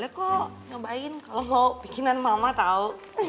cobain kalau mau bikinan mama tau